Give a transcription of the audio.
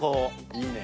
いいね。